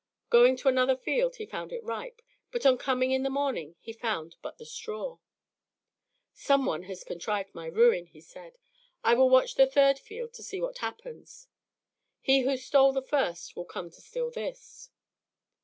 Going to another field, he found it ripe, but on coming in the morning he found but the straw. "Some one has contrived my ruin," he said; "I will watch the third field to see what happens. He who stole the first will come to steal this."